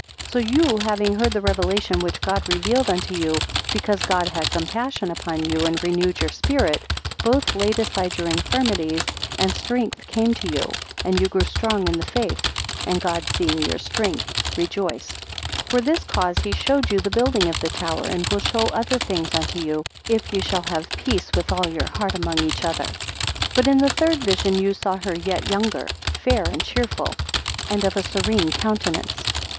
126 So you, having heard the Revelation which God revealed unto you, because God had compassion upon you, and renewed your spirit, both laid aside your infirmities, and strength came to you, and you grew strong in the faith; and God, seeing your strength, rejoiced. 127 For this cause he showed you the building of the tower, and will show other things unto you, if you shall have peace with all your heart among each other. 128 But in the third vision you saw her yet younger, fair and cheerful, and of a serene countenance.